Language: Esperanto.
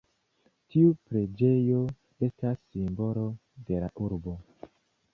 Tiu preĝejo estas simbolo de la urbo.